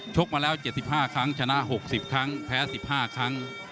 กมาแล้ว๗๕ครั้งชนะ๖๐ครั้งแพ้๑๕ครั้ง